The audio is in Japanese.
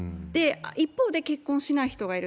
一方で結婚しない人がいる。